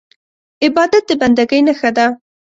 عبادت د بندګۍ نښه ده.